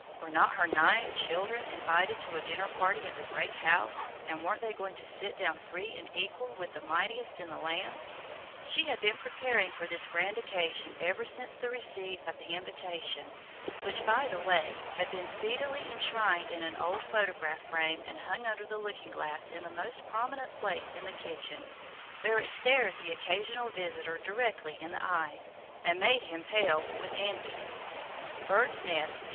Were not her nine "childern" invited to a dinner party at the great house, and weren't they going to sit down free and equal with the mightiest in the land? She had been preparing for this grand occasion ever since the receipt of the invitation, which, by the way, had been speedily enshrined in an old photograph frame and hung under the looking glass in the most prominent place in the kitchen, where it stared the occasional visitor directly in the eye, and made him pale with envy: "BIRDS' NEST, Dec.